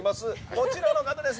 こちらの方です。